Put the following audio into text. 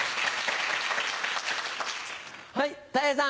はいたい平さん。